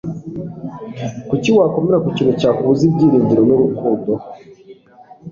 kuki wakomera ku kintu cyakubuza ibyiringiro n'urukundo